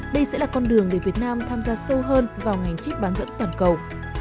đây sẽ là con đường để việt nam tham gia sâu hơn vào ngành chip bán dẫn toàn cầu